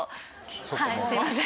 はいすいません。